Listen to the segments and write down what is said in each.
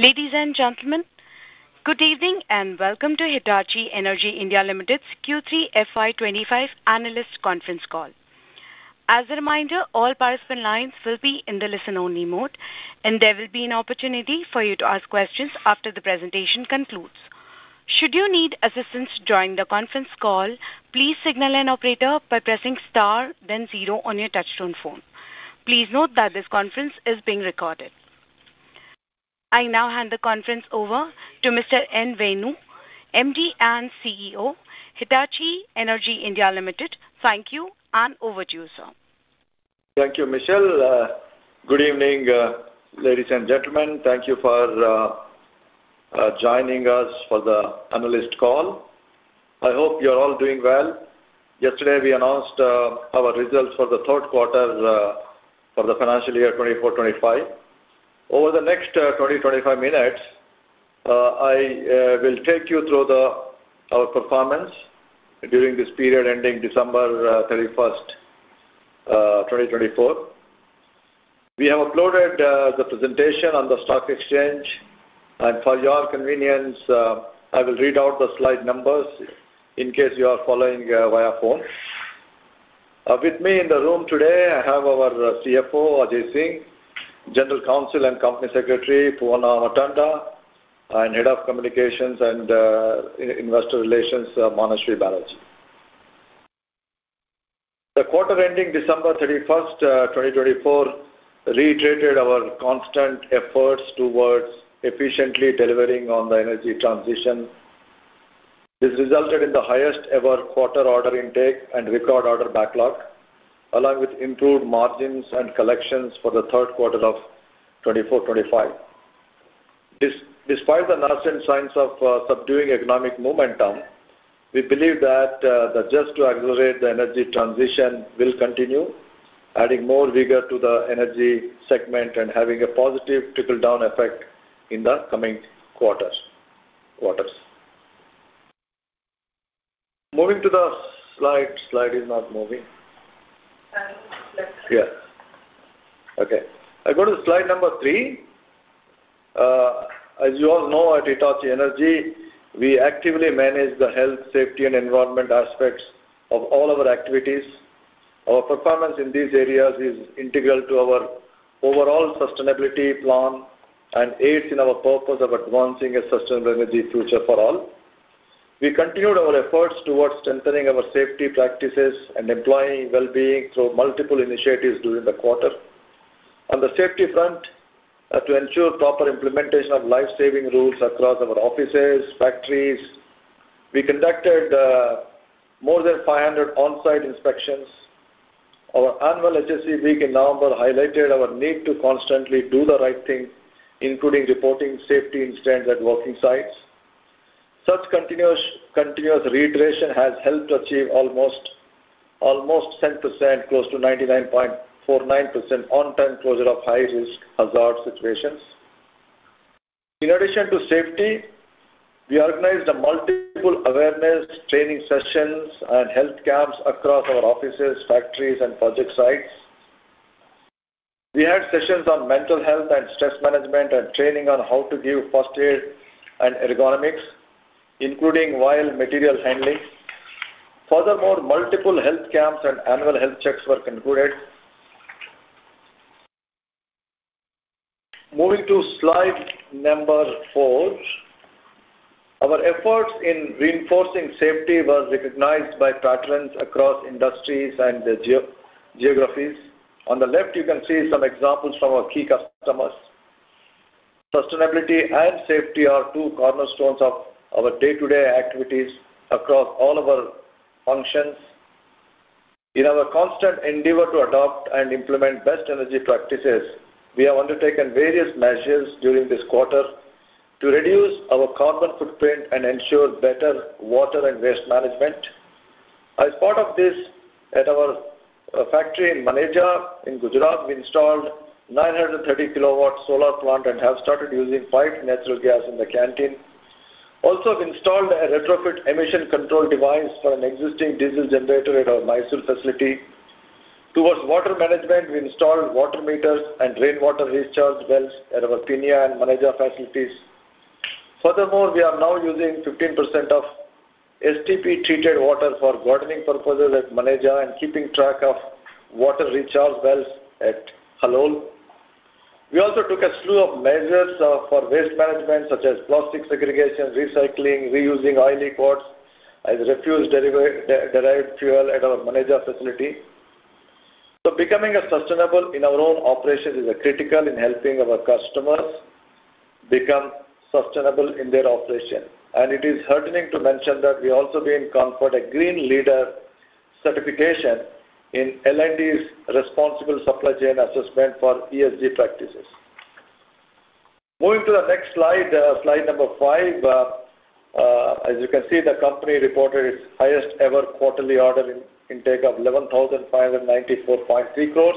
Ladies and gentlemen, good evening and welcome to Hitachi Energy India Limited's Q3 FY 2025 Analyst Conference Call. As a reminder, all participant lines will be in the listen-only mode, and there will be an opportunity for you to ask questions after the presentation concludes. Should you need assistance during the conference call, please signal an operator by pressing star, then zero on your touch-tone phone. Please note that this conference is being recorded. I now hand the conference over to Mr. N Venu, MD and CEO, Hitachi Energy India Limited. Thank you, and over to you, sir. Thank you, Michelle. Good evening, ladies and gentlemen. Thank you for joining us for the analyst call. I hope you're all doing well. Yesterday, we announced our results for the third quarter for the financial year 2024-2025. Over the next 20-25 minutes, I will take you through our performance during this period ending December 31st, 2024. We have uploaded the presentation on the stock exchange, and for your convenience, I will read out the slide numbers in case you are following via phone. With me in the room today, I have our CFO, Ajay Singh, General Counsel and Company Secretary, Poovanna Ammatanda, and Head of Communications and Investor Relations, Manashwi Banerjee. The quarter ending December 31st, 2024 reiterated our constant efforts towards efficiently delivering on the energy transition. This resulted in the highest-ever quarter order intake and record order backlog, along with improved margins and collections for the third quarter of 2024-2025. Despite the nascent signs of subduing economic momentum, we believe that the thrust to accelerate the energy transition will continue, adding more vigor to the energy segment and having a positive trickle-down effect in the coming quarters. Moving to the slide. Slide is not moving. Slide number three. Yes. Okay. I go to slide number three. As you all know, at Hitachi Energy, we actively manage the Health, Safety, and Environment aspects of all our activities. Our performance in these areas is integral to our overall sustainability plan and aids in our purpose of advancing a sustainable energy future for all. We continued our efforts towards strengthening our safety practices and employee well-being through multiple initiatives during the quarter. On the safety front, to ensure proper implementation of life-saving rules across our offices and factories, we conducted more than 500 on-site inspections. Our annual HSE Week in November highlighted our need to constantly do the right thing, including reporting safety incidents at working sites. Such continuous reiteration has helped achieve almost 10%, close to 99.49%, on-time closure of high-risk hazard situations. In addition to safety, we organized multiple awareness training sessions and health camps across our offices, factories, and project sites. We had sessions on mental health and stress management and training on how to give first aid and ergonomics, including heavy material handling. Furthermore, multiple health camps and annual health checks were concluded. Moving to slide number four, our efforts in reinforcing safety were recognized by partners across industries and geographies. On the left, you can see some examples from our key customers. Sustainability and safety are two cornerstones of our day-to-day activities across all of our functions. In our constant endeavor to adopt and implement best energy practices, we have undertaken various measures during this quarter to reduce our carbon footprint and ensure better water and waste management. As part of this, at our factory in Maneja, in Gujarat, we installed a 930 kW solar plant and have started using piped natural gas in the canteen. Also, we installed a retrofit emission control device for an existing diesel generator at our Mysore facility. Towards water management, we installed water meters and rainwater recharge wells at our Peenya and Maneja facilities. Furthermore, we are now using 15% of STP-treated water for gardening purposes at Maneja and keeping track of water recharge wells at Halol. We also took a slew of measures for waste management, such as plastic segregation, recycling, reusing oil residues as refuse-derived fuel at our Maneja facility. So becoming sustainable in our own operations is critical in helping our customers become sustainable in their operation. It is heartening to mention that we also gained a Green Leader certification in L&T's responsible supply chain assessment for ESG practices. Moving to the next slide, slide number five, as you can see, the company reported its highest-ever quarterly order intake of 11,594.3 crores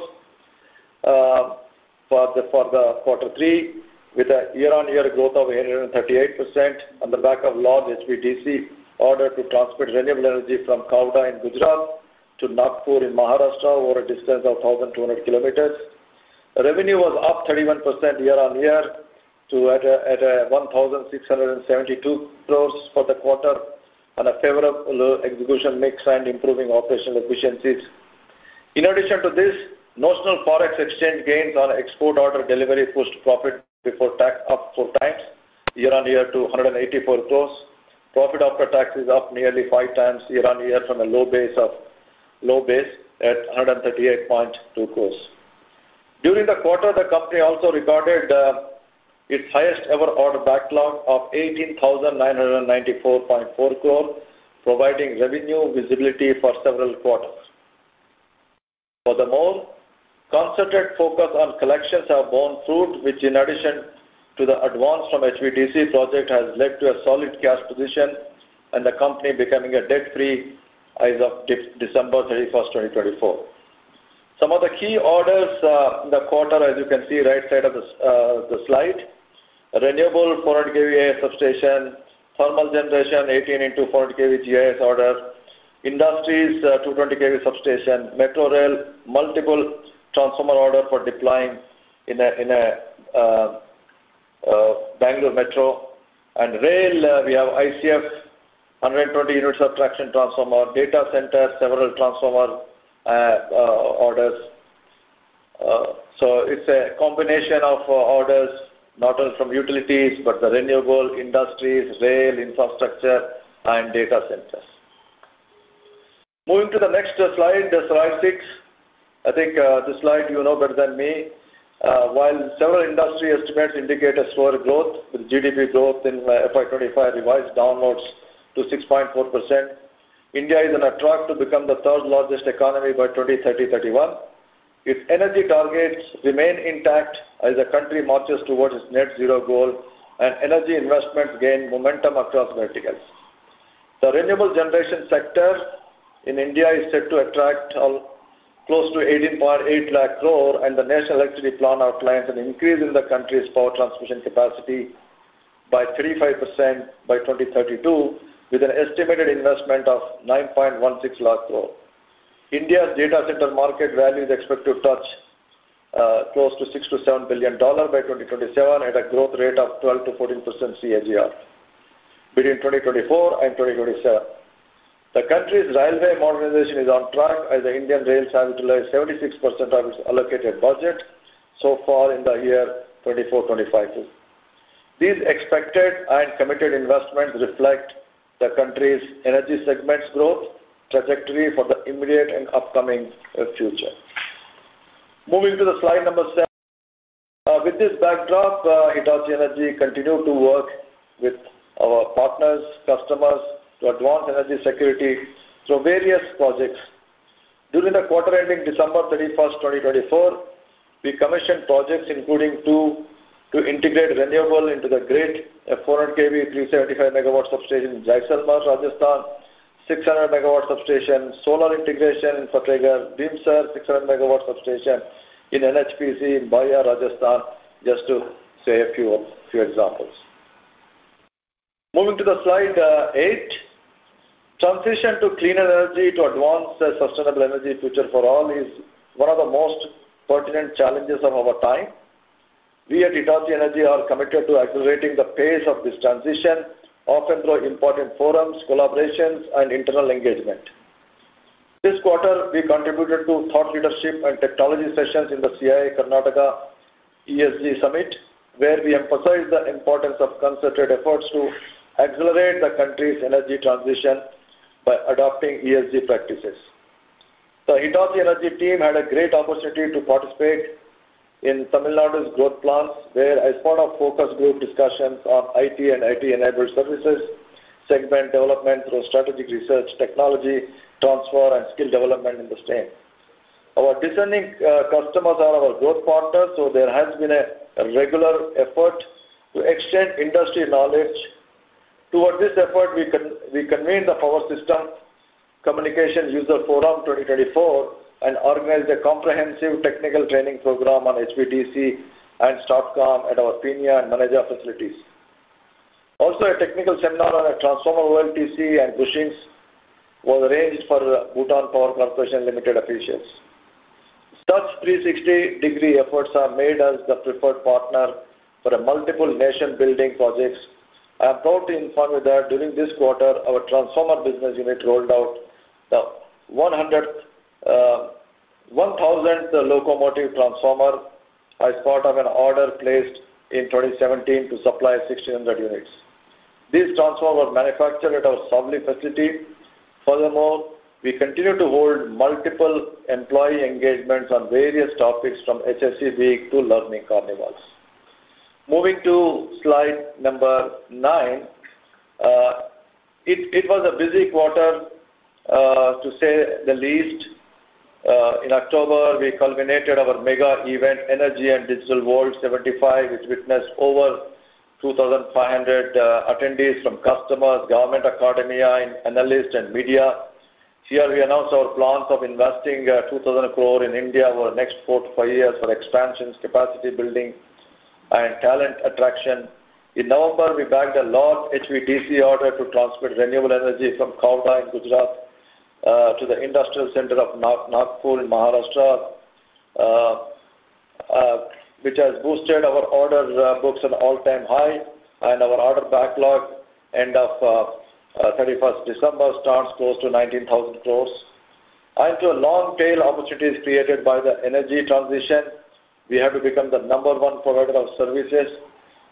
for the quarter three, with a year-on-year growth of 838% on the back of large HVDC order to transport renewable energy from Khavda in Gujarat to Nagpur in Maharashtra over a distance of 1,200 km. Revenue was up 31% year-on-year to 1,672 crores for the quarter on a favorable execution mix and improving operational efficiencies. In addition to this, the foreign exchange gains on export order delivery pushed profit before tax up 4x year-on-year to 184 crores. Profit after tax is up nearly 5x year-on-year from a low base at 138.2 crores. During the quarter, the company also recorded its highest-ever order backlog of 18,994.4 crore, providing revenue visibility for several quarters. Furthermore, concerted focus on collections have borne fruit, which, in addition to the advance from HVDC project, has led to a solid cash position and the company becoming a debt-free as of December 31st, 2024. Some of the key orders in the quarter, as you can see right side of the slide: renewable 400 kV substation, thermal generation 18 into 400 kV GIS order, industries 220 kV substation, metro rail, multiple transformer orders for deploying in Bangalore Metro, and rail, we have ICF 120 units of traction transformer, data center, several transformer orders. It's a combination of orders, not only from utilities, but the renewable industries, rail infrastructure, and data centers. Moving to the next slide, slide six. I think this slide you know better than me. While several industry estimates indicate a slow growth with GDP growth in FY 2025 revised downwards to 6.4%, India is on a track to become the third-largest economy by 2030-2031. Its energy targets remain intact as the country marches towards its net zero goal, and energy investments gain momentum across verticals. The renewable generation sector in India is set to attract close to 18.8 lakh crore, and the National Electricity Plan outlines an increase in the country's power transmission capacity by 35% by 2032, with an estimated investment of 9.16 lakh crore. India's data center market value is expected to touch close to $6 billion-$7 billion by 2027 at a growth rate of 12%-14% CAGR between 2024 and 2027. The country's railway modernization is on track as the Indian rail service utilizes 76% of its allocated budget so far in the year 2024-2025. These expected and committed investments reflect the country's energy segment's growth trajectory for the immediate and upcoming future. Moving to the slide number seven. With this backdrop, Hitachi Energy continued to work with our partners, customers, to advance energy security through various projects. During the quarter ending December 31st, 2024, we commissioned projects, including two to integrate renewable into the grid: a 400 kV 375 MW substation in Jaisalmer, Rajasthan, 600 MW substation, solar integration in Fatehgarh, Bhimsar, 600 MW substation in NHPC in Baiya, Rajasthan, just to say a few examples. Moving to the slide eight. Transition to cleaner energy to advance a sustainable energy future for all is one of the most pertinent challenges of our time. We at Hitachi Energy are committed to accelerating the pace of this transition, often through important forums, collaborations, and internal engagement. This quarter, we contributed to thought leadership and technology sessions in the CII Karnataka ESG Summit, where we emphasized the importance of concerted efforts to accelerate the country's energy transition by adopting ESG practices. The Hitachi Energy team had a great opportunity to participate in Tamil Nadu's growth plans, where, as part of focus group discussions on IT and IT-enabled services, segment development through strategic research, technology transfer, and skill development in the same. Our discerning customers are our growth partners, so there has been a regular effort to extend industry knowledge. Towards this effort, we convened the Power System Communication User Forum 2024 and organized a comprehensive technical training program on HVDC and STATCOM at our Peenya and Maneja facilities. Also, a technical seminar on a transformer OLTC and bushings was arranged for Bhutan Power Corporation Limited officials. Such 360-degree efforts are made as the preferred partner for multiple nation-building projects. I am proud to inform you that during this quarter, our transformer business unit rolled out the 1,000th locomotive transformer as part of an order placed in 2017 to supply 1,600 units. These transformers were manufactured at our Savli facility. Furthermore, we continue to hold multiple employee engagements on various topics from HSE Week to Learning Carnivals. Moving to slide number nine, it was a busy quarter, to say the least. In October, we culminated our mega event, Energy and Digital World 75, which witnessed over 2,500 attendees from customers, government, academia, analysts, and media. Here, we announced our plans of investing 2,000 crore in India over the next four to five years for expansions, capacity building, and talent attraction. In November, we bagged a large HVDC order to transport renewable energy from Khavda in Gujarat to the industrial center of Nagpur in Maharashtra, which has boosted our order books at an all-time high, and our order backlog end of 31st December starts close to 19,000 crores. And to a long-tail opportunities created by the energy transition, we have to become the number one provider of services.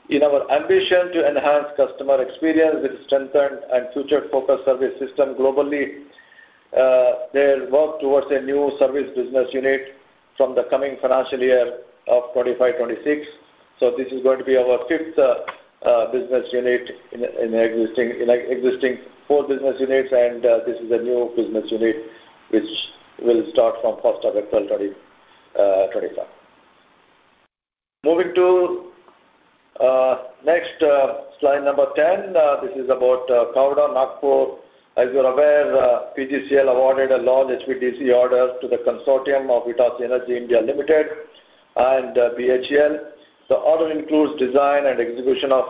In our ambition to enhance customer experience with strengthened and future-focused service system globally, there's work towards a new service business unit from the coming financial year of 2025-2026. So this is going to be our fifth business unit in existing four business units, and this is a new business unit which will start from 1st of April 2025. Moving to next slide number 10, this is about Khavda, Nagpur. As you're aware, PGCIL awarded a large HVDC order to the consortium of Hitachi Energy India Limited and BHEL. The order includes design and execution of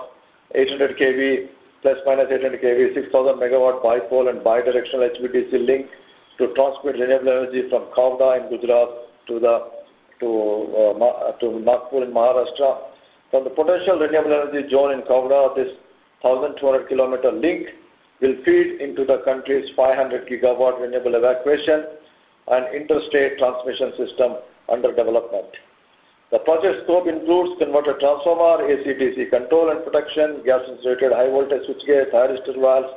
800 kV, ±800 kV, 6,000 MW bipolar and bidirectional HVDC link to transport renewable energy from Khavda in Gujarat to Nagpur in Maharashtra. From the potential renewable energy zone in Khavda, this 1,200 km link will feed into the country's 500 GW renewable evacuation and interstate transmission system under development. The project scope includes converter transformer, AC/DC control and protection, gas-insulated high-voltage switchgear, high-voltage valves,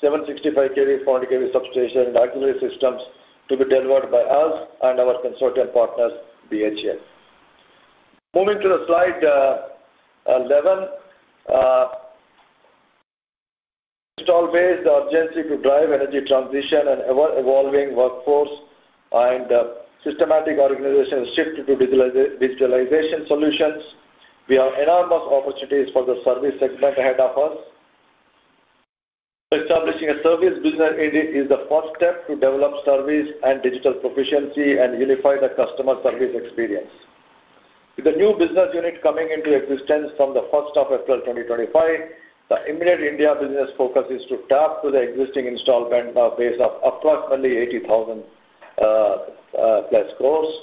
765 kV, 400 kV substation, and auxiliary systems to be delivered by us and our consortium partners, BHEL. Moving to Slide 11, install phase, the urgency to drive energy transition and ever-evolving workforce and systematic organization shift to digitalization solutions. We have enormous opportunities for the service segment ahead of us. Establishing a service business unit is the first step to develop service and digital proficiency and unify the customer service experience. With the new business unit coming into existence from the 1st of April 2025, the immediate India business focus is to tap into the existing installed base of approximately 80,000+ crores.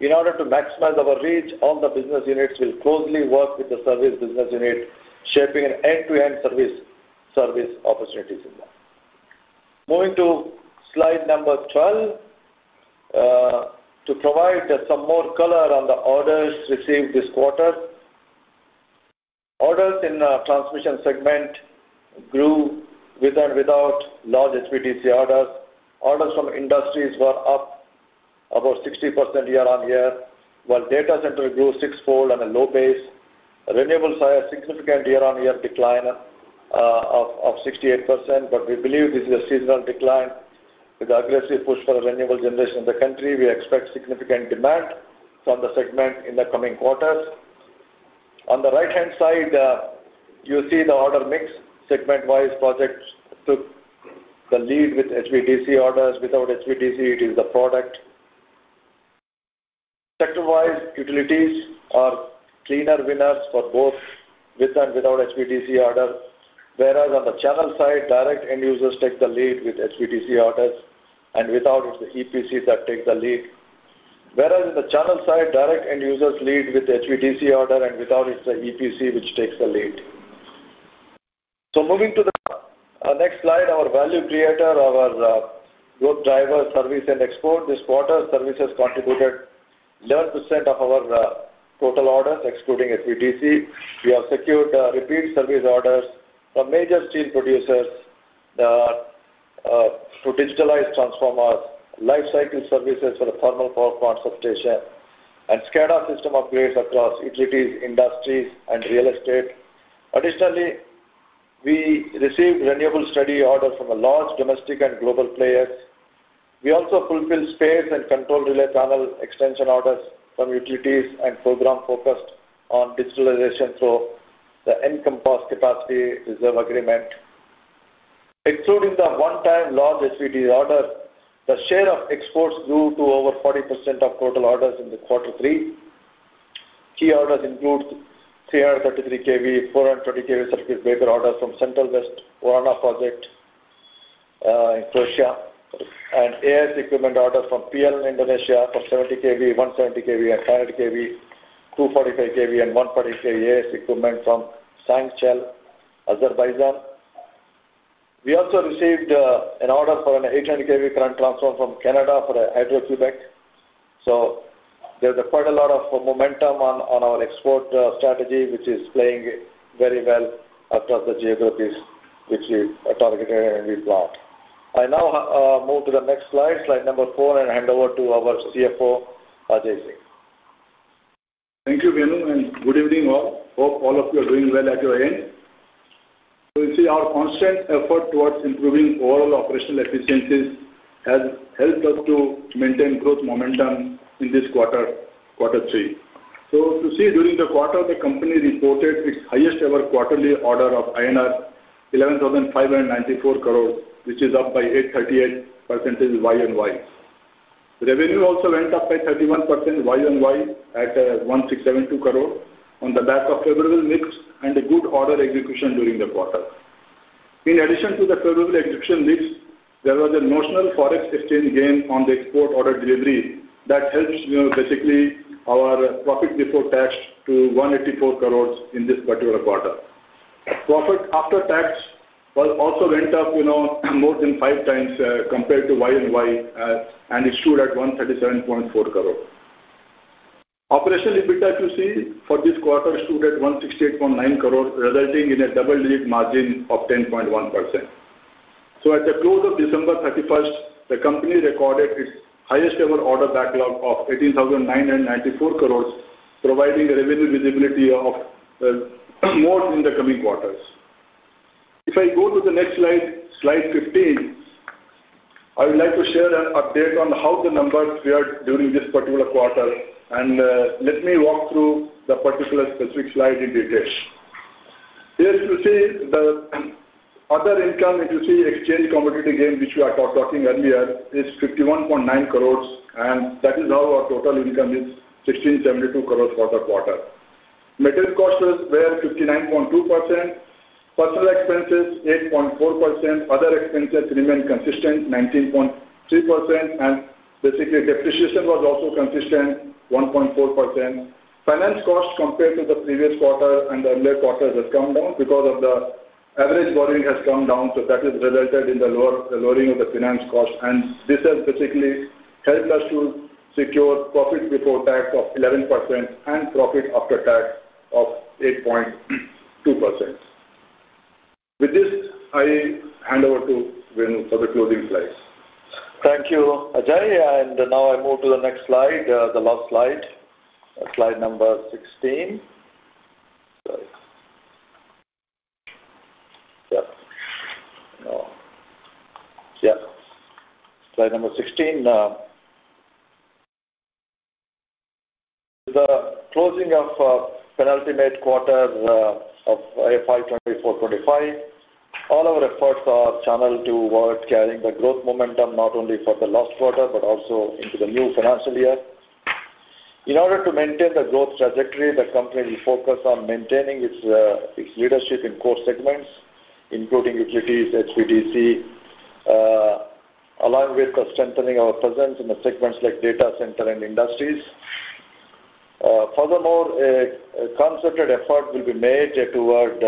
In order to maximize our reach, all the business units will closely work with the service business unit, shaping end-to-end service opportunities. Moving to slide number 12, to provide some more color on the orders received this quarter. Orders in the transmission segment grew with and without large HVDC orders. Orders from industries were up about 60% year-on-year, while data center grew sixfold on a low base. Renewables are a significant year-on-year decline of 68%, but we believe this is a seasonal decline. With the aggressive push for renewable generation in the country, we expect significant demand from the segment in the coming quarters. On the right-hand side, you see the order mix segment-wise projects took the lead with HVDC orders. Without HVDC, it is the product. Sector-wise, utilities are clear winners for both with and without HVDC orders, whereas on the channel side, direct end users take the lead with HVDC orders, and without it, the EPCs that take the lead. So moving to the next slide, our value creator, our growth driver, service, and export. This quarter, services contributed 11% of our total orders, excluding HVDC. We have secured repeat service orders from major steel producers to digitalized transformers, life cycle services for the thermal power plant substation, and SCADA system upgrades across utilities, industries, and real estate. Additionally, we received renewable study orders from large domestic and global players. We also fulfilled space and control relay panel extension orders from utilities and program focused on digitalization through the EnCompass Capacity Reserve Agreement. Excluding the one-time large HVDC order, the share of exports grew to over 40% of total orders in the quarter three. Key orders include 333 kV, 420 kV circuit breaker orders from Central West Orana Project in Croatia, and AIS equipment orders from PLN Indonesia for 70 kV, 170 kV, and 100 kV, 245 kV, and 140 kV AIS equipment from Sangachal, Azerbaijan. We also received an order for an 800 kV current transformer from Canada for a Hydro-Québec. There's quite a lot of momentum on our export strategy, which is playing very well across the geographies which we targeted and we planned. I now move to the next slide, slide number four, and hand over to our CFO, Ajay Singh. Thank you, Venu, and good evening all. Hope all of you are doing well at your end. You see our constant effort towards improving overall operational efficiencies has helped us to maintain growth momentum in this quarter, quarter three. You see during the quarter, the company reported its highest ever quarterly order of INR 11,594 crore, which is up by 838% YoY. Revenue also went up by 31% YoY at 1,672 crore on the back of favorable mix and a good order execution during the quarter. In addition to the favorable execution mix, there was a notional forex exchange gain on the export order delivery that helped basically our profit before tax to 184 crore in this particular quarter. Profit after tax also went up more than five times compared to YoY, and it stood at 137.4 crore. Operational EBITDA, if you see, for this quarter stood at 168.9 crore, resulting in a double-digit margin of 10.1%. So at the close of December 31st, the company recorded its highest ever order backlog of 18,994 crore, providing revenue visibility of more in the coming quarters. If I go to the next slide, slide 15, I would like to share an update on how the numbers appeared during this particular quarter, and let me walk through the particular specific slide in detail. Here you see the other income. If you see exchange commodity gain, which we are talking earlier, is 51.9 crore, and that is how our total income is 1,672 crore for the quarter. Metal costs were 59.2%, personal expenses 8.4%, other expenses remained consistent 19.3%, and basically depreciation was also consistent 1.4%. Finance costs compared to the previous quarter and the earlier quarters has come down because of the average borrowing has come down, so that has resulted in the lowering of the finance cost, and this has basically helped us to secure profit before tax of 11% and profit after tax of 8.2%. With this, I hand over to Venu for the closing slides. Thank you, Ajay, and now I move to the next slide, the last slide, slide number 16. Yeah. Yeah. Slide number 16. The closing of penultimate quarter of FY 2024-2025. All our efforts are channeled towards carrying the growth momentum not only for the last quarter but also into the new financial year. In order to maintain the growth trajectory, the company will focus on maintaining its leadership in core segments, including utilities, HVDC, along with strengthening our presence in the segments like data center and industries. Furthermore, a concerted effort will be made toward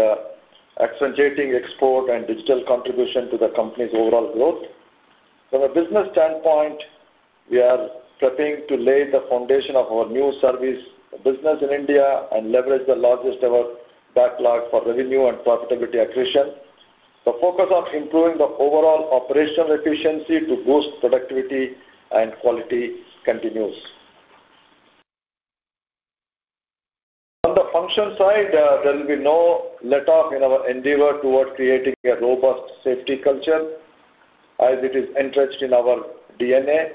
accentuating export and digital contribution to the company's overall growth. From a business standpoint, we are prepping to lay the foundation of our new service business in India and leverage the largest ever backlog for revenue and profitability accretion. The focus on improving the overall operational efficiency to boost productivity and quality continues. On the function side, there will be no let-off in our endeavor towards creating a robust safety culture as it is entrenched in our DNA.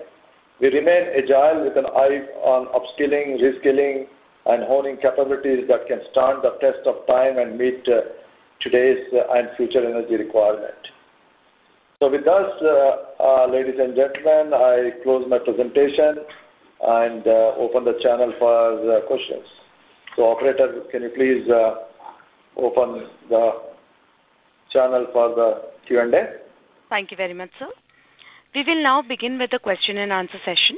We remain agile with an eye on upskilling, reskilling, and honing capabilities that can stand the test of time and meet today's and future energy requirement. So with that, ladies and gentlemen, I close my presentation and open the channel for questions. So operator, can you please open the channel for the Q&A? Thank you very much, sir. We will now begin with the question-and-answer session.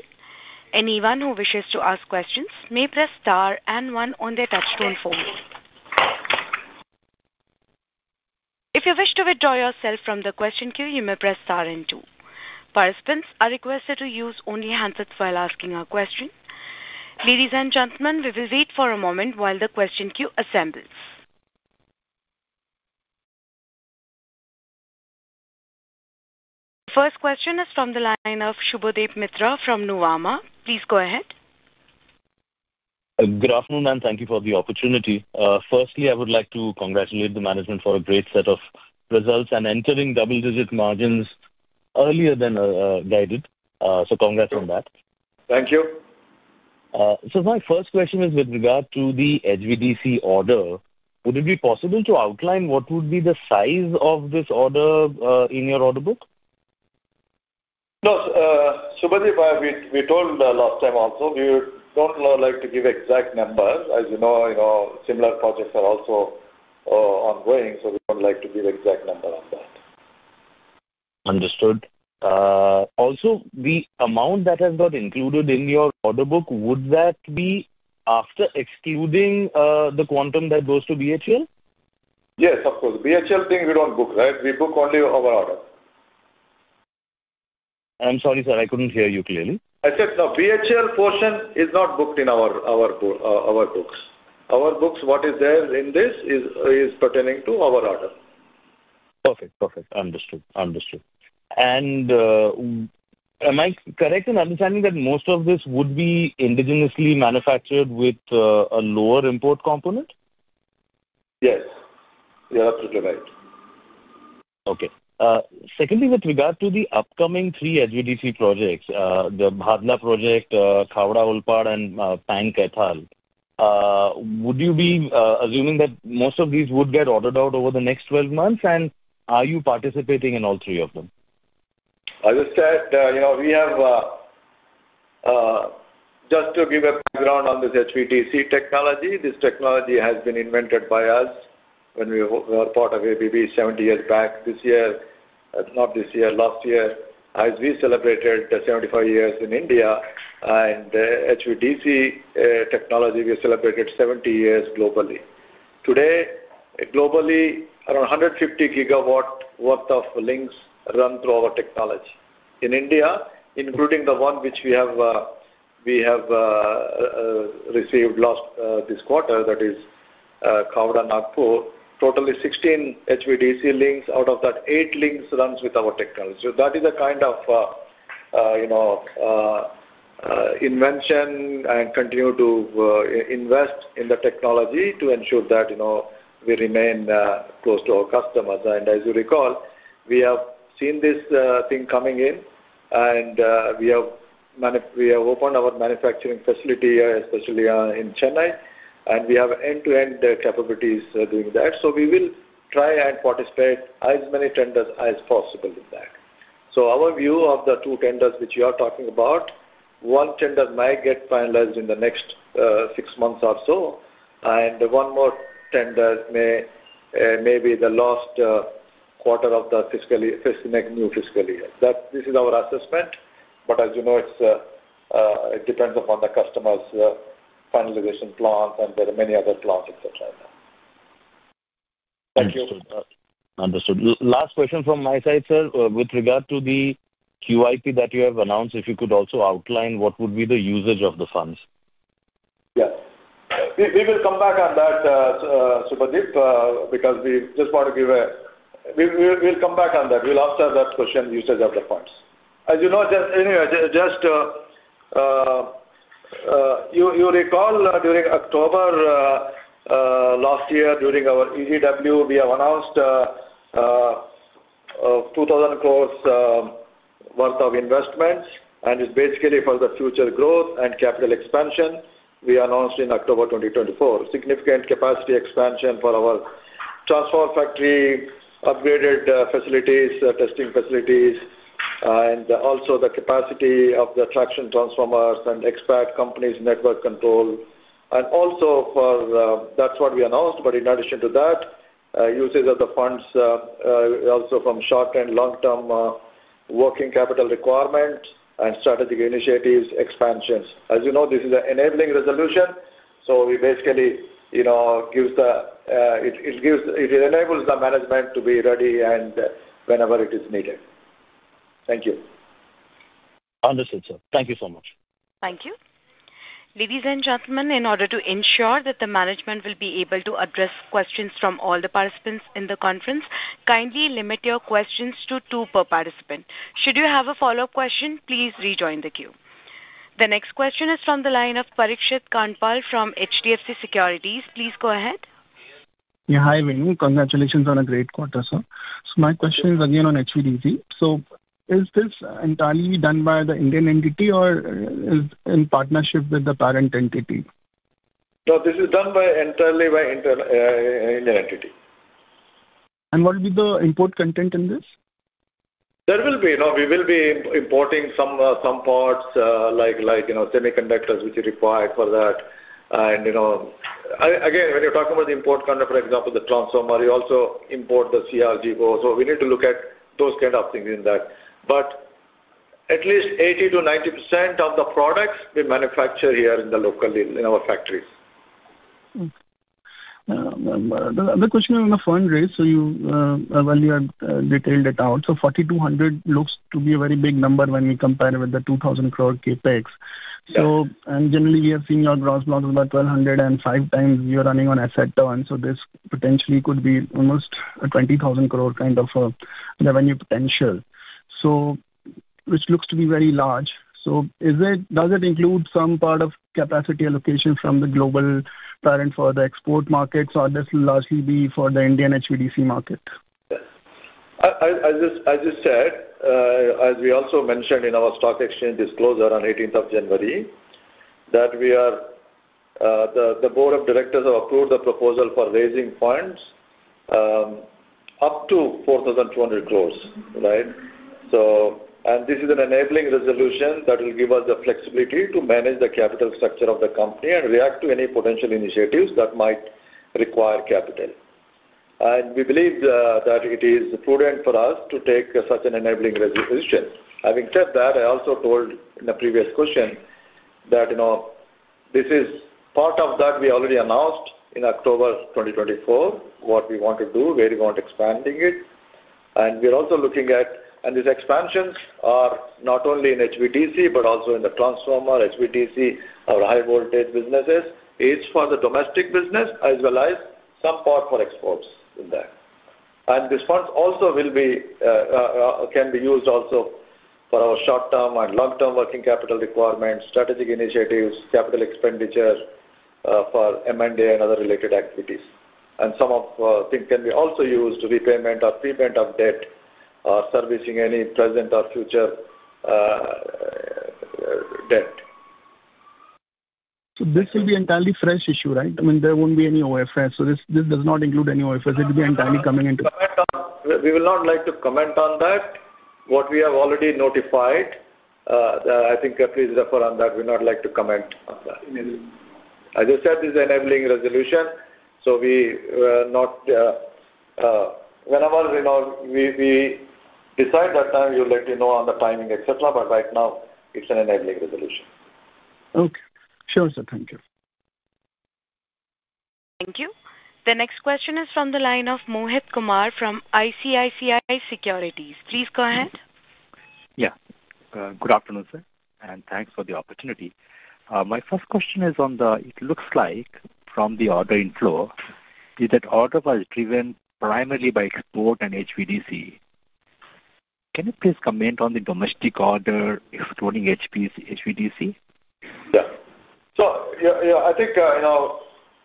Anyone who wishes to ask questions may press star and one on the touch-tone phone. If you wish to withdraw yourself from the question queue, you may press star and two. Participants are requested to use only handsets while asking a question. Ladies and gentlemen, we will wait for a moment while the question queue assembles. The first question is from the line of Subhadip Mitra from Nuvama. Please go ahead. Good afternoon, and thank you for the opportunity. Firstly, I would like to congratulate the management for a great set of results and entering double-digit margins earlier than guided. So congrats on that. Thank you. So my first question is with regard to the HVDC order. Would it be possible to outline what would be the size of this order in your order book? No. Shubhadep, we told last time also, we don't like to give exact numbers. As you know, similar projects are also ongoing, so we don't like to give exact numbers on that. Understood. Also, the amount that has got included in your order book, would that be after excluding the quantum that goes to BHEL? Yes, of course. BHEL thing, we don't book, right? We book only our order. I'm sorry, sir. I couldn't hear you clearly. I said the BHEL portion is not booked in our books. Our books, what is there in this is pertaining to our order. Perfect. Understood. And am I correct in understanding that most of this would be indigenously manufactured with a lower import component? Yes. You're absolutely right. Okay. Secondly, with regard to the upcoming three HVDC projects, the Bhadla project, Khavda-Olpad, and Pang-Kaithal, would you be assuming that most of these would get ordered out over the next 12 months, and are you participating in all three of them? I would say we have just to give a background on this HVDC technology. This technology has been invented by us when we were part of ABB 70 years back. This year, not this year, last year, as we celebrated 75 years in India, and HVDC technology we celebrated 70 years globally. Today, globally, around 150 GW worth of links run through our technology. In India, including the one which we have received last this quarter, that is Kaithal-Nagpur, totally 16 HVDC links. Out of that, eight links run with our technology. So that is a kind of investment and continue to invest in the technology to ensure that we remain close to our customers. And as you recall, we have seen this thing coming in, and we have opened our manufacturing facility here, especially in Chennai, and we have end-to-end capabilities doing that. So we will try and participate as many tenders as possible in that. So our view of the two tenders which you are talking about, one tender might get finalized in the next six months or so, and one more tender may be the last quarter of the new fiscal year. This is our assessment, but as you know, it depends upon the customer's finalization plans and there are many other plans, etc. Thank you. Understood. Understood. Last question from my side, sir, with regard to the QIP that you have announced, if you could also outline what would be the usage of the funds. Yes. We will come back on that, Subhadip, because we just want to give a we'll come back on that. We'll answer that question, usage of the funds. As you know, just anyway, just you recall during October last year during our EDW, we have announced 2,000 crore worth of investments, and it's basically for the future growth and capital expansion we announced in October 2024. Significant capacity expansion for our transformer factory, upgraded facilities, testing facilities, and also the capacity of the traction transformers and expand company's network control. And also, for that's what we announced, but in addition to that, usage of the funds also from short- and long-term working capital requirements and strategic initiatives expansions. As you know, this is an enabling resolution, so we basically, it enables the management to be ready whenever it is needed. Thank you. Understood, sir. Thank you so much. Thank you. Ladies and gentlemen, in order to ensure that the management will be able to address questions from all the participants in the conference, kindly limit your questions to two per participant. Should you have a follow-up question, please rejoin the queue. The next question is from the line of Parikshit Kandpal from HDFC Securities. Please go ahead. Yeah. Hi, Venu. Congratulations on a great quarter, sir. So my question is again on HVDC. So is this entirely done by the Indian entity or in partnership with the parent entity? No, this is done entirely by an Indian entity. And what will be the import content in this? There will be. We will be importing some parts like semiconductors which are required for that. And again, when you're talking about the import content, for example, the transformer, you also import the CRGO. So we need to look at those kind of things in that. But at least 80%-90% of the products we manufacture here in our factories. The other question on the fundraise, so you already detailed it out. So 4,200 crores looks to be a very big number when we compare with the 2,000 crore CapEx. And generally, we have seen your gross blocks about 105x you're running on asset turn. So this potentially could be almost 20,000 crore kind of revenue potential, which looks to be very large, so does it include some part of capacity allocation from the global parent for the export markets, or this will largely be for the Indian HVDC market? As you said, as we also mentioned in our stock exchange disclosure on 18th of January, that we are the board of directors have approved the proposal for raising funds up to 4,200 crores, right, and this is an enabling resolution that will give us the flexibility to manage the capital structure of the company and react to any potential initiatives that might require capital, and we believe that it is prudent for us to take such an enabling resolution. Having said that, I also told in a previous question that this is part of that we already announced in October 2024, what we want to do, where we want expanding it. And we're also looking at, and these expansions are not only in HVDC but also in the transformer, HVDC, our high-voltage businesses. It's for the domestic business as well as some part for exports in that. And these funds also can be used also for our short-term and long-term working capital requirements, strategic initiatives, capital expenditure for M&A and other related activities. And some of the things can be also used to repayment or payment of debt or servicing any present or future debt. So this will be entirely fresh issue, right? I mean, there won't be any OFS. So this does not include any OFS. It will be entirely coming into. We will not like to comment on that. What we have already notified, I think please refer on that. We would not like to comment on that. As I said, this is an enabling resolution. So we are not whenever we decide that time, we'll let you know on the timing, etc. But right now, it's an enabling resolution. Okay. Sure, sir. Thank you. Thank you. The next question is from the line of Mohit Kumar from ICICI Securities. Please go ahead. Yeah. Good afternoon, sir. And thanks for the opportunity. My first question is on the it looks like from the ordering flow, is that order was driven primarily by export and HVDC. Can you please comment on the domestic order excluding HVDC? Yeah. So yeah, I think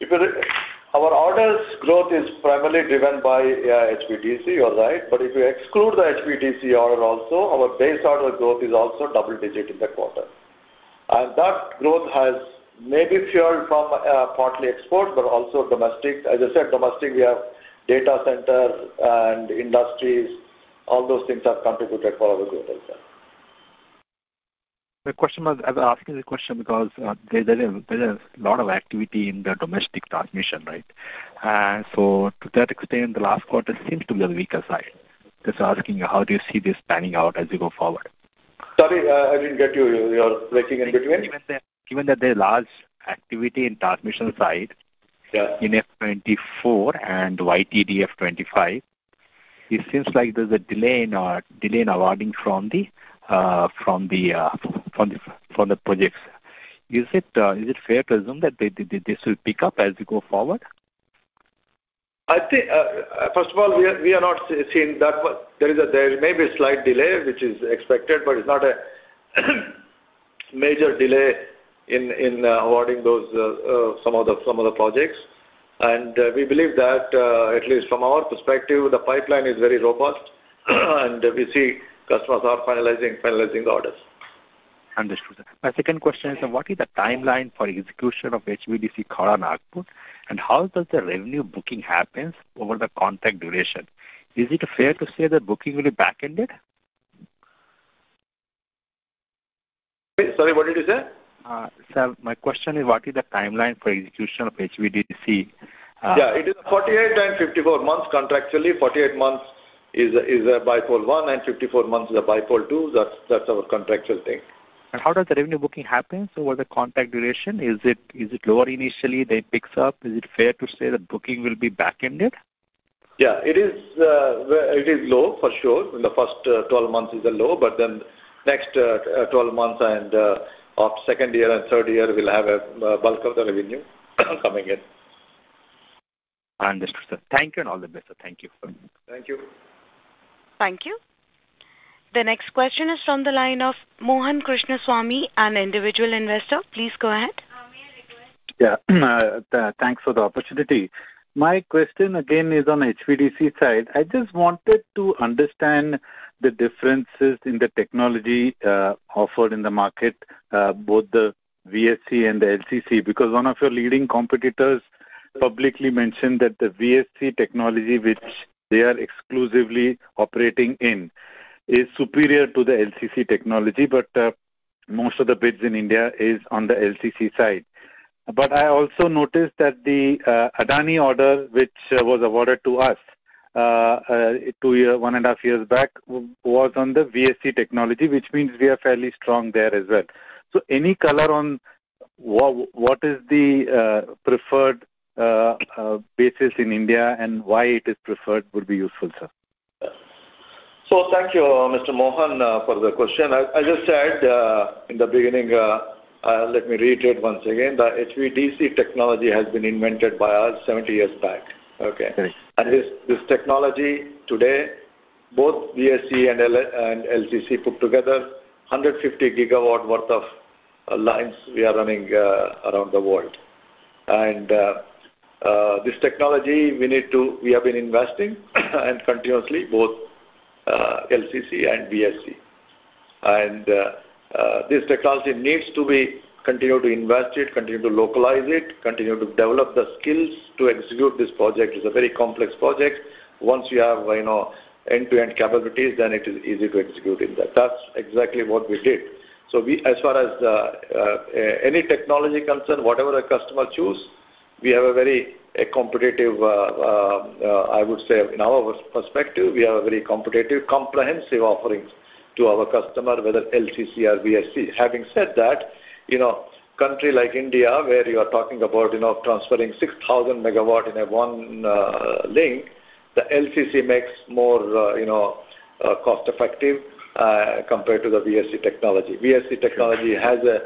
if our orders' growth is primarily driven by HVDC, you're right. But if you exclude the HVDC order also, our base order growth is also double-digit in the quarter. And that growth has maybe fueled from partly export, but also domestic. As I said, domestic, we have data centers and industries. All those things have contributed for our growth as well. The question was I was asking the question because there is a lot of activity in the domestic transmission, right? So to that extent, the last quarter seems to be on the weaker side. Just asking how do you see this panning out as you go forward? Sorry, I didn't get you. You're breaking in between. Given that there is large activity in transmission side in F2024 and YTD F2025, it seems like there's a delay in awarding from the projects. Is it fair to assume that this will pick up as we go forward? I think, first of all, we are not seeing that there may be a slight delay which is expected, but it's not a major delay in awarding some of the projects. And we believe that, at least from our perspective, the pipeline is very robust, and we see customers are finalizing orders. Understood. My second question is, what is the timeline for execution of HVDC Khavda Nagpur, and how does the revenue booking happen over the contract duration? Is it fair to say the booking will be back-ended? Sorry, what did you say? My question is, what is the timeline for execution of HVDC? Yeah. It is 48 and 54 months contractually. 48 months is Bipole 1, and 54 months Bipole 2. that's our contractual thing. And how does the revenue booking happen over the contract duration? Is it lower initially then it picks up? Is it fair to say the booking will be back-ended? Yeah. It is low, for sure. The first 12 months is a low, but then next 12 months and second year and third year will have a bulk of the revenue coming in. Understood, sir. Thank you and all the best, sir. Thank you. Thank you. Thank you. The next question is from the line of Mohan Krishnaswamy, an individual investor. Please go ahead. Yeah. Thanks for the opportunity. My question again is on HVDC side. I just wanted to understand the differences in the technology offered in the market, both the VSC and the LCC, because one of your leading competitors publicly mentioned that the VSC technology, which they are exclusively operating in, is superior to the LCC technology, but most of the bids in India is on the LCC side. But I also noticed that the Adani order, which was awarded to us one and a half years back, was on the VSC technology, which means we are fairly strong there as well. So any color on what is the preferred basis in India and why it is preferred would be useful, sir. So thank you, Mr. Mohan, for the question. As I said in the beginning, let me reiterate once again, the HVDC technology has been invented by us 70 years back, okay? And this technology today, both VSC and LCC put together, 150 GW worth of lines we are running around the world. And this technology, we have been investing in continuously, both LCC and VSC. And this technology needs to be continued to invest in, continue to localize it, continue to develop the skills to execute this project. It's a very complex project. Once you have end-to-end capabilities, then it is easy to execute in that. That's exactly what we did, so as far as any technology concern, whatever a customer choose, we have a very competitive, I would say, in our perspective, we have a very competitive, comprehensive offering to our customer, whether LCC or VSC. Having said that, country like India, where you are talking about transferring 6,000 MW in one link, the LCC makes more cost-effective compared to the VSC technology. VSC technology has a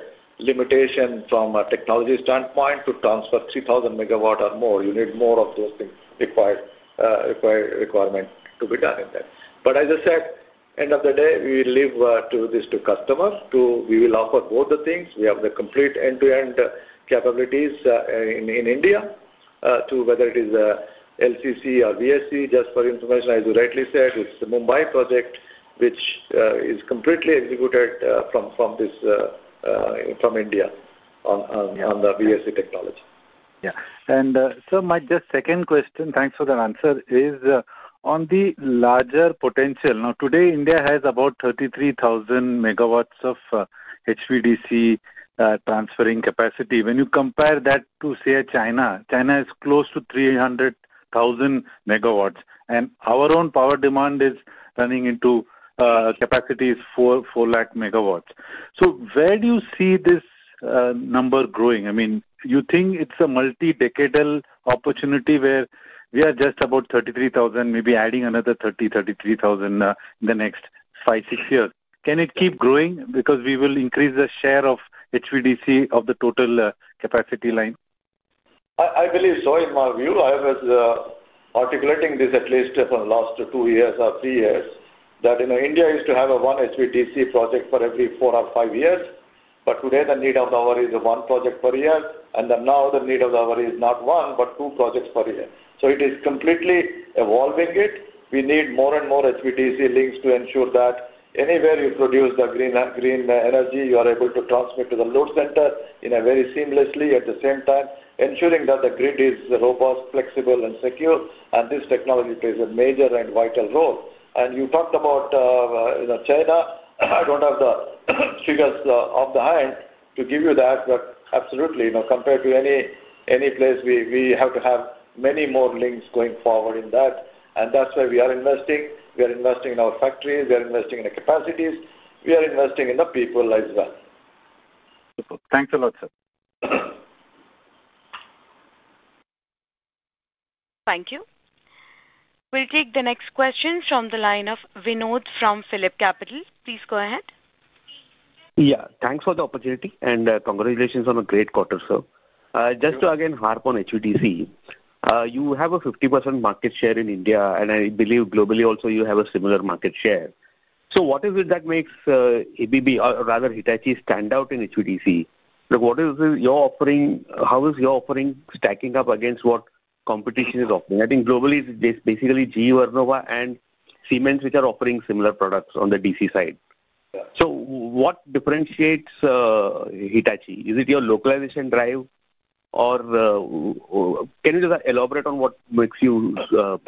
limitation from a technology standpoint to transfer 3,000 MW or more. You need more of those things required to be done in that, but as I said, end of the day, we leave this to customer. We will offer both the things. We have the complete end-to-end capabilities in India, whether it is LCC or VSC. Just for information, as you rightly said, it's the Mumbai project, which is completely executed from India on the VSC technology. Yeah. And sir, my just second question, thanks for the answer, is on the larger potential. Now, today, India has about 33,000 MW of HVDC transferring capacity. When you compare that to, say, China, China is close to 300,000 MW. And our own power demand is running into capacity is 4 lakh MW. So where do you see this number growing? I mean, you think it's a multi-decadal opportunity where we are just about 33,000 MW, maybe adding another 30,000 MW-33,000 MW in the next five, six years? Can it keep growing because we will increase the share of HVDC of the total capacity line? I believe so, in my view. I was articulating this at least for the last two years or three years, that India used to have one HVDC project for every four or five years. But today, the need of the hour is one project per year. And now the need of the hour is not one, but two projects per year. So it is completely evolving it. We need more and more HVDC links to ensure that anywhere you produce the green energy, you are able to transmit to the load center very seamlessly at the same time, ensuring that the grid is robust, flexible, and secure. And this technology plays a major and vital role. And you talked about China. I don't have the figures off the hand to give you that, but absolutely, compared to any place, we have to have many more links going forward in that. And that's where we are investing. We are investing in our factories. We are investing in the capacities. We are investing in the people as well. Thanks a lot, sir. Thank you. We'll take the next question from the line of Vinod from PhillipCapital. Please go ahead. Yeah. Thanks for the opportunity. And congratulations on a great quarter, sir. Just to again harp on HVDC, you have a 50% market share in India, and I believe globally also you have a similar market share. So what is it that makes ABB, or rather Hitachi, stand out in HVDC? What is your offering? How is your offering stacking up against what competition is offering? I think globally, it's basically GE Vernova and Siemens, which are offering similar products on the DC side. So what differentiates Hitachi? Is it your localization drive, or can you elaborate on what makes you the?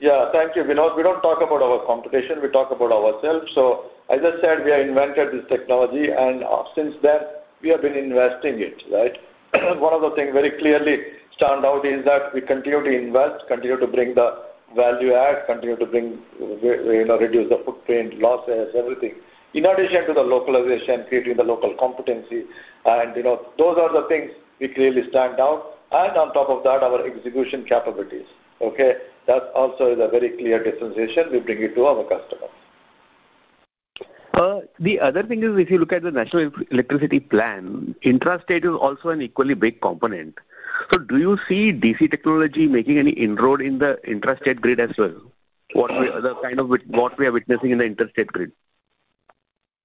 Yeah. Thank you, Vinod. We don't talk about our competition. We talk about ourselves. So as I said, we have invented this technology, and since then, we have been investing in it, right? One of the things very clearly stand out is that we continue to invest, continue to bring the value add, continue to reduce the footprint, losses, everything, in addition to the localization, creating the local competency. And those are the things we clearly stand out. And on top of that, our execution capabilities, okay? That also is a very clear differentiation. We bring it to our customers. The other thing is, if you look at the National Electricity Plan, intra-state is also an equally big component. So do you see DC technology making any inroad in the intra-state grid as well? What we are kind of witnessing in the intra-state grid?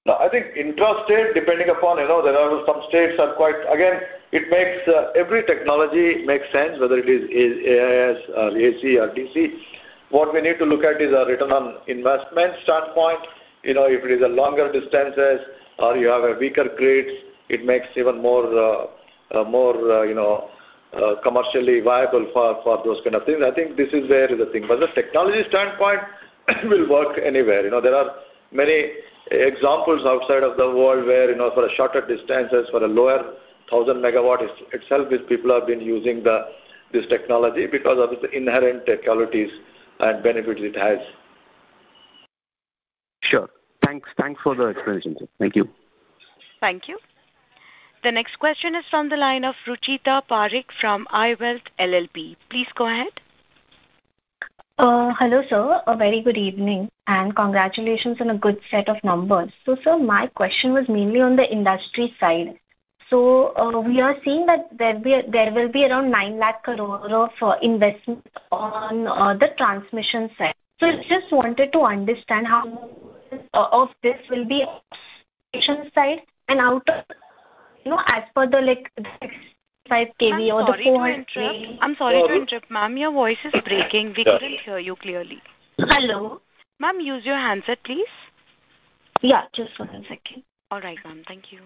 I think intra-state, depending upon there are some states are quite again, it makes every technology makes sense, whether it is AIS, AC or DC. What we need to look at is a return on investment standpoint. If it is longer distances or you have weaker grids, it makes even more commercially viable for those kind of things. I think this is where the thing. But the technology standpoint will work anywhere. There are many examples outside of the world where for shorter distances, for a lower 1,000 MW itself, these people have been using this technology because of the inherent technologies and benefits it has. Sure. Thanks for the explanation, sir. Thank you. Thank you. The next question is from the line of Ruchita Parik from iWealth LLP. Please go ahead. Hello, sir. A very good evening, and congratulations on a good set of numbers. So, sir, my question was mainly on the industry side. So we are seeing that there will be around 9 lakh crore for investment on the transmission side. So I just wanted to understand how much of this will be on the transmission side and out as per the 765 kV or the 400 kV? I'm sorry to interrupt, ma'am. Your voice is breaking, we couldn't hear you clearly. Hello. Ma'am, use your handset, please. Yeah. Just one second. All right, ma'am. Thank you.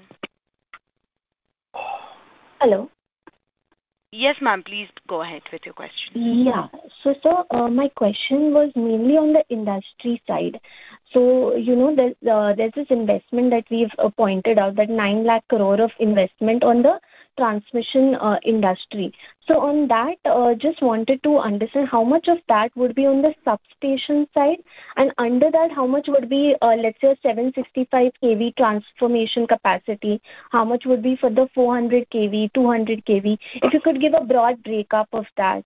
Hello? Yes, ma'am. Please go ahead with your question. Yeah. So, sir, my question was mainly on the industry side. So there's this investment that we've pointed out, that 9 lakh crore of investment on the transmission industry. So on that, I just wanted to understand how much of that would be on the substation side, and under that, how much would be, let's say, a 765 kV transformation capacity? How much would be for the 400 kV, 200 kV? If you could give a broad breakup of that.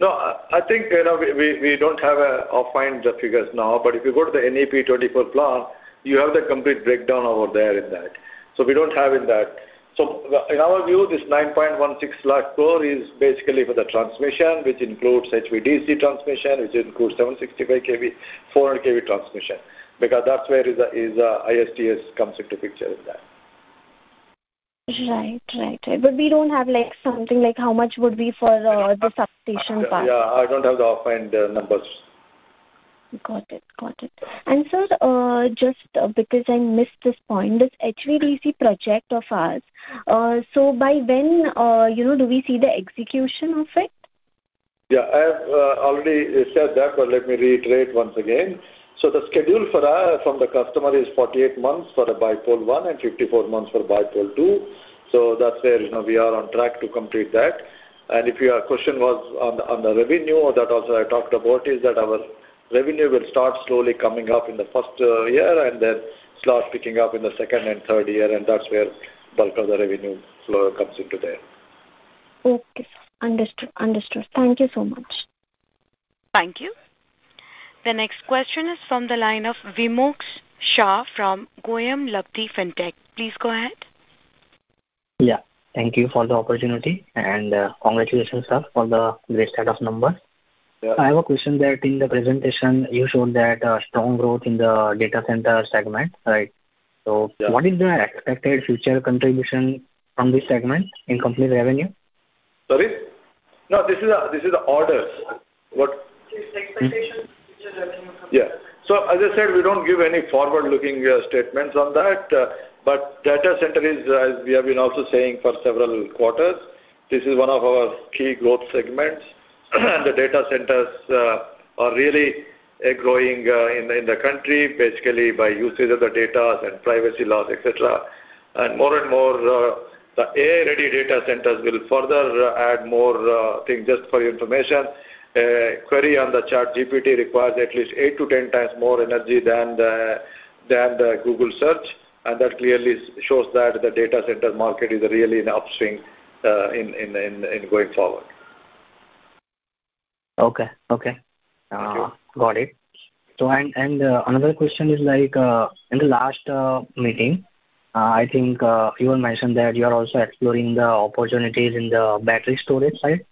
No, I think we don't have offhand the figures now, but if you go to the NEP-24 plan, you have the complete breakdown over there in that. So we don't have in that. So in our view, this 9.16 lakh crore is basically for the transmission, which includes HVDC transmission, which includes 765 kV, 400 kV transmission, because that's where ISTS comes into picture in that. Right, right. But we don't have something like how much would be for the substation part. Yeah. I don't have the offhand numbers. Got it. Got it. Sir, just because I missed this point, this HVDC project of ours, so by when do we see the execution of it? Yeah. I have already said that, but let me reiterate once again. So the schedule from the customer is 48 months Bipole 1 and 54 months Bipole 2. So that's where we are on track to complete that. And if your question was on the revenue, that also I talked about, is that our revenue will start slowly coming up in the first year and then start picking up in the second and third year, and that's where bulk of the revenue flow comes into there. Okay. Understood. Thank you so much. Thank you. The next question is from the line of Vimox Shah from GoyamLabdhi Fintech. Please go ahead. Yeah. Thank you for the opportunity. Congratulations, sir, for the great set of numbers. I have a question that in the presentation, you showed that strong growth in the data center segment, right? So what is the expected future contribution from this segment in complete revenue? Sorry? No, this is orders. What? Expectation for future revenue from data. Yeah. So as I said, we don't give any forward-looking statements on that. But data center is, as we have been also saying for several quarters, this is one of our key growth segments. And the data centers are really growing in the country, basically by usage of the data and privacy laws, etc. And more and more, the AI-ready data centers will further add more things. Just for your information, query on the ChatGPT requires at least eight to 10 times more energy than the Google search. That clearly shows that the data center market is really in upswing in going forward. Okay. Okay. Got it. And another question is, in the last meeting, I think you had mentioned that you are also exploring the opportunities in the battery storage side.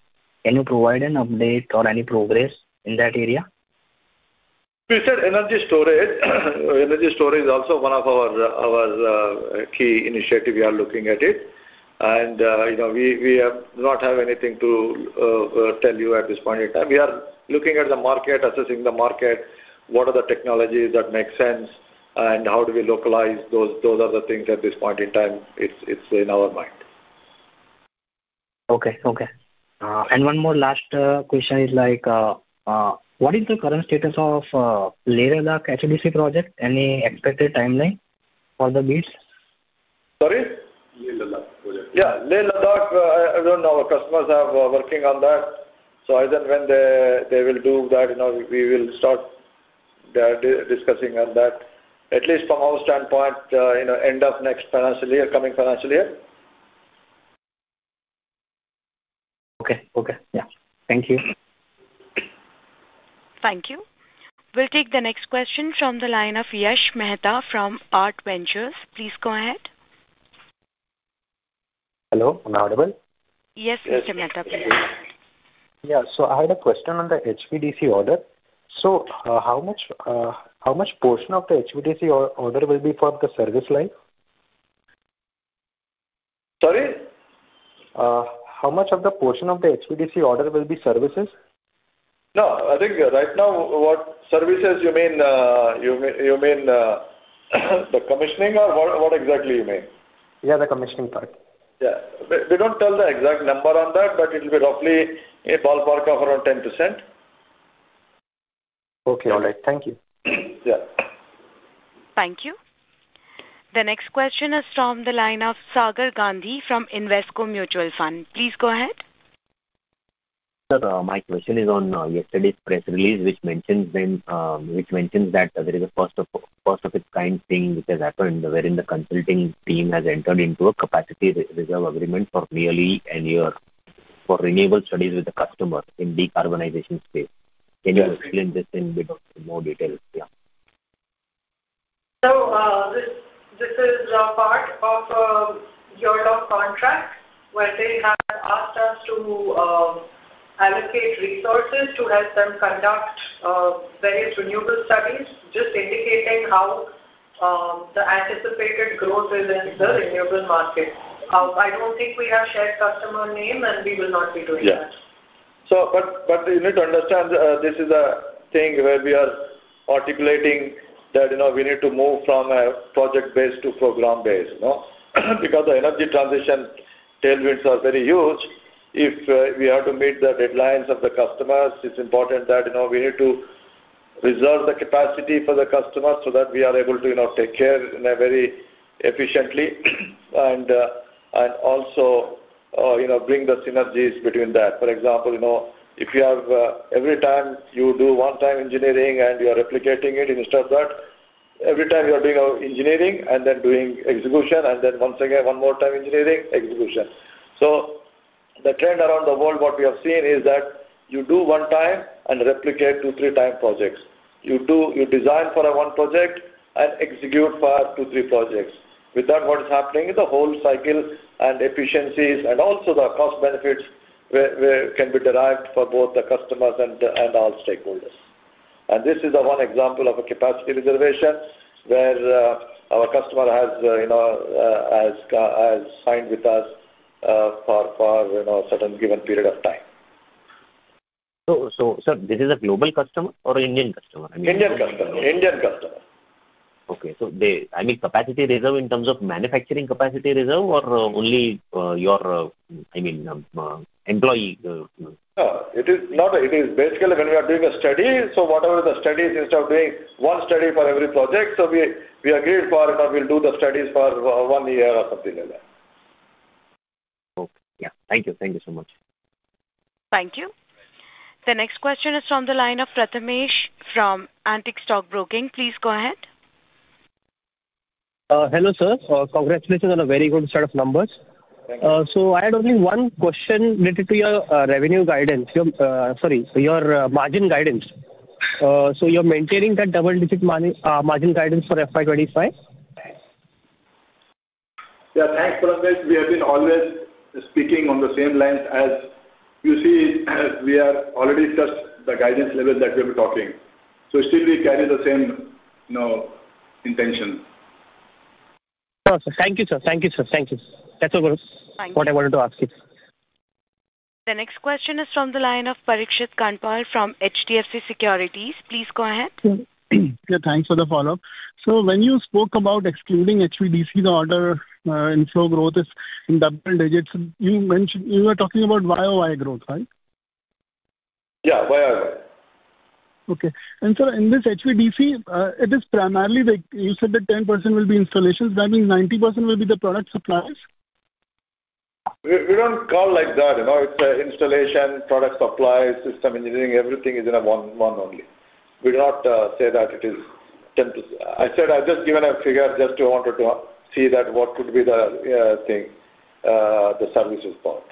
Can you provide an update or any progress in that area? We said energy storage. Energy storage is also one of our key initiatives we are looking at. And we do not have anything to tell you at this point in time. We are looking at the market, assessing the market, what are the technologies that make sense, and how do we localize those? Those are the things at this point in time. It's in our mind. Okay. Okay. And one more last question is, what is the current status of Leh-Ladakh HVDC project? Any expected timeline for the bids? Sorry? Leh-Ladakh project. Yeah. Leh Ladakh, I don't know. Our customers are working on that. So either when they will do that, we will start discussing on that, at least from our standpoint, end of next financial year, coming financial year. Okay. Okay. Yeah. Thank you. Thank you. We'll take the next question from the line of Yash Mehta from Aart Ventures. Please go ahead. Hello. I'm audible? Yes, Mr. Mehta, please. Yeah. So I had a question on the HVDC order. So how much portion of the HVDC order will be for the service line? Sorry? How much of the portion of the HVDC order will be services? No, I think right now, what services you mean, you mean the commissioning or what exactly you mean? Yeah, the commissioning part. Yeah. We don't tell the exact number on that, but it will be roughly ballpark of around 10%. Okay. All right. Thank you. Yeah. Thank you. The next question is from the line of Sagar Gandhi from Invesco Mutual Fund. Please go ahead. Sir, my question is on yesterday's press release, which mentions that there is a first-of-its-kind thing which has happened wherein the consulting team has entered into a capacity reserve agreement for nearly a year for renewable studies with the customer in decarbonization space. Can you explain this in a bit more detail? Yeah. So this is part of your contract where they have asked us to allocate resources to help them conduct various renewable studies, just indicating how the anticipated growth is in the renewable market. I don't think we have shared customer name, and we will not be doing that. But you need to understand this is a thing where we are articulating that we need to move from a project-based to program-based because the energy transition tailwinds are very huge. If we have to meet the deadlines of the customers, it's important that we need to reserve the capacity for the customers so that we are able to take care very efficiently and also bring the synergies between that. For example, if you have every time you do one-time engineering and you are replicating it instead of that, every time you are doing engineering and then doing execution, and then once again, one more time engineering, execution. So the trend around the world, what we have seen is that you do one-time and replicate two or three-time projects. You design for one project and execute for two or three projects. With that, what is happening is the whole cycle and efficiencies and also the cost benefits can be derived for both the customers and all stakeholders. And this is one example of a capacity reservation where our customer has signed with us for a certain given period of time. So, sir, this is a global customer or an Indian customer? Indian customer. Indian customer. Okay. So I mean, capacity reserve in terms of manufacturing capacity reserve or only your, I mean, employee? No, it is not. It is basically when we are doing a study. So whatever the study is, instead of doing one study for every project, so we agreed we'll do the studies for one year or something like that. Okay. Yeah. Thank you. Thank you so much. Thank you. The next question is from the line of Prathamesh from Antique Stock Broking. Please go ahead. Hello, sir. Congratulations on a very good set of numbers. So I had only one question related to your revenue guidance. Sorry, your margin guidance. So you're maintaining that double-digit margin guidance for FY 2025? Yeah. Thanks, Prathamesh. We have been always speaking on the same lines as you see as we are already just the guidance level that we are talking. So still, we carry the same intention. Sure. Thank you, sir. Thank you, sir. Thank you. That's all what I wanted to ask you. The next question is from the line of Parikshit Kandpal from HDFC Securities. Please go ahead. Thanks for the follow-up. So when you spoke about excluding HVDC, the order inflow growth is in double digits, you were talking about YoY growth, right? Yeah. YoY. Okay. And, sir, in this HVDC, it is primarily like you said that 10% will be installations. Does that mean 90% will be the product supplies? We don't call like that. It's installation, product supplies, system engineering. Everything is in one only. We do not say that it is 10%. I said I've just given a figure just to want to see that what could be the thing, the services part.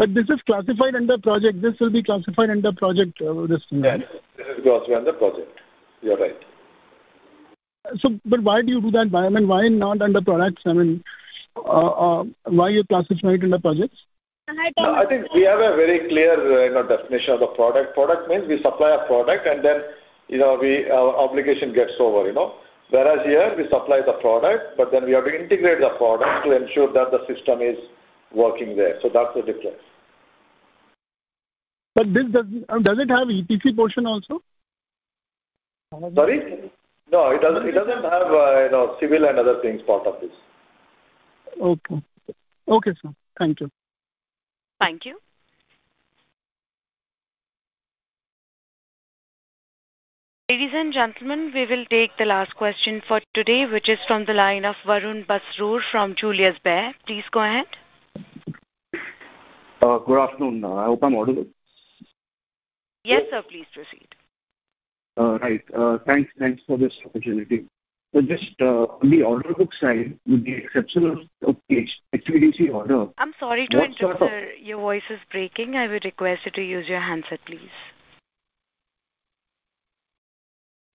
But this is classified under project. This will be classified under project. Yes. This is classified under project. You're right. But why do you do that? I mean, why not under products? I mean, why you classify it under projects? I think we have a very clear definition of the product. Product means we supply a product, and then our obligation gets over. Whereas here, we supply the product, but then we have to integrate the product to ensure that the system is working there. So that's the difference. But does it have EPC portion also? Sorry? No, it doesn't have civil and other things part of this. Okay. Okay, sir. Thank you. Thank you. Ladies and gentlemen, we will take the last question for today, which is from the line of Varun Basrur from Julius Baer. Please go ahead. Good afternoon. I hope I'm audible. Yes, sir. Please proceed. Right. Thanks for this opportunity. But just on the order book side, with the exception of the HVDC order. I'm sorry to interrupt, sir. Your voice is breaking. I would request you to use your handset, please.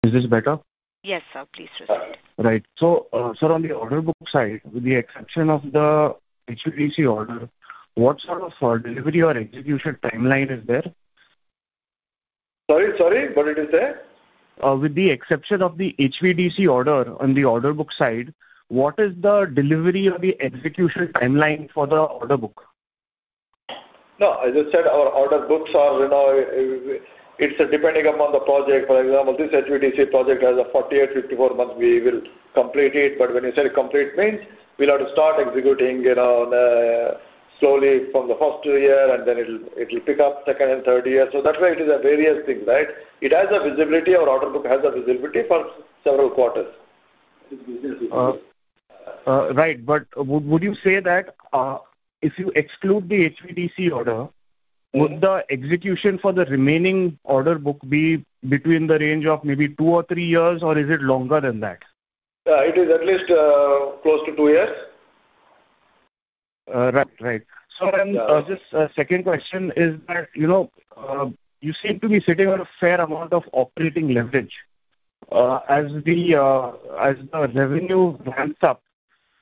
Is this better? Yes, sir. Please respond. Right. So, sir, on the order book side, with the exception of the HVDC order, what sort of delivery or execution timeline is there? Sorry? Sorry? What it is there? With the exception of the HVDC order on the order book side, what is the delivery or the execution timeline for the order book? No, as I said, our order books are depending upon the project. For example, this HVDC project has a 48-54 months we will complete it. But when you say complete means we'll have to start executing slowly from the first year, and then it will pick up second and third year. So that way, it is a various thing, right? It has a visibility. Our order book has a visibility for several quarters. Right. But would you say that if you exclude the HVDC order, would the execution for the remaining order book be between the range of maybe two or three years, or is it longer than that? It is at least close to two years. Right. Right. So then, just a second question is that you seem to be sitting on a fair amount of operating leverage. As the revenue ramps up,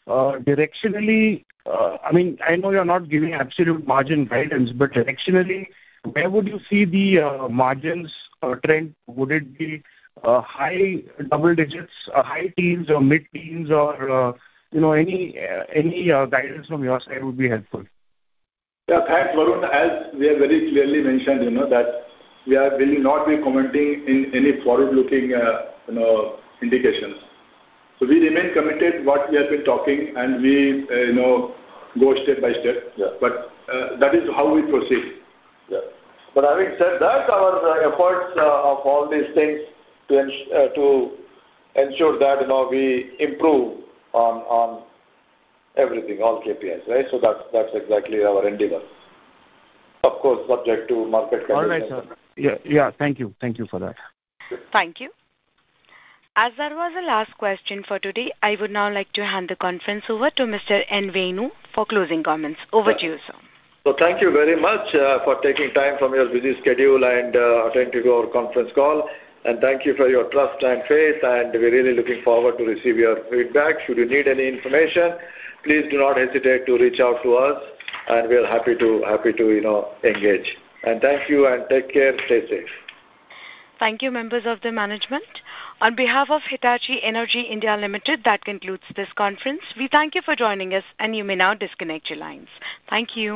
directionally, I mean, I know you're not giving absolute margin guidance, but directionally, where would you see the margins trend? Would it be high double digits, high teens, or mid teens, or any guidance from your side would be helpful? Yeah. Thanks, Varun. As we have very clearly mentioned that we will not be commenting in any forward-looking indications. So we remain committed to what we have been talking, and we go step by step. But that is how we proceed. But having said that, our efforts of all these things to ensure that we improve on everything, all KPIs, right? So that's exactly our endeavor, of course, subject to market conditions. All right, sir. Yeah. Thank you. Thank you for that. Thank you. As that was the last question for today, I would now like to hand the conference over to Mr. N. Venu for closing comments. Over to you, sir. So thank you very much for taking time from your busy schedule and attending to our conference call. And thank you for your trust and faith. And we're really looking forward to receive your feedback. Should you need any information, please do not hesitate to reach out to us, and we are happy to engage. And thank you and take care. Stay safe. Thank you, members of the management. On behalf of Hitachi Energy India Limited, that concludes this conference. We thank you for joining us, and you may now disconnect your lines. Thank you.